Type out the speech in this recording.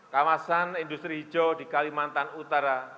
kawasan industri hijau di kalimantan utara